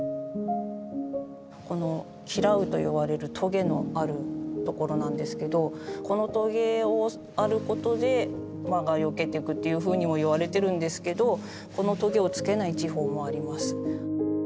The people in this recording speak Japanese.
このキラウといわれるとげのあるところなんですけどこのとげをあることで魔がよけてくっていうふうにもいわれてるんですけどこのとげをつけない地方もあります。